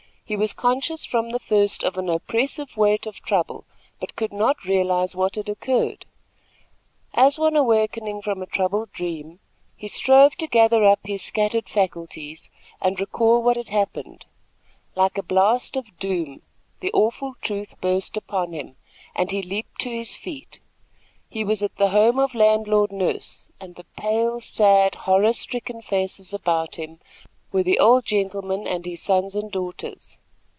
He was conscious from the first of an oppressive weight of trouble, but could not realize what had occurred. As one awakening from a troubled dream, he strove to gather up his scattered faculties and recall what had happened. Like a blast of doom, the awful truth burst upon him, and he leaped to his feet. He was at the home of Landlord Nurse, and the pale, sad, horror stricken faces about him were the old gentleman and his sons and daughters.